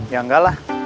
ya nggak lah